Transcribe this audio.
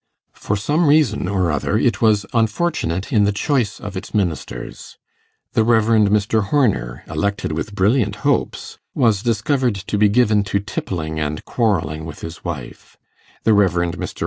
For some reason or other, it was unfortunate in the choice of its ministers. The Rev. Mr. Horner, elected with brilliant hopes, was discovered to be given to tippling and quarrelling with his wife; the Rev. Mr.